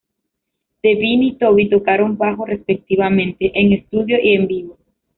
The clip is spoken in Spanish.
Devin y Toby tocaron bajo respectivamente, en estudio y en vivo.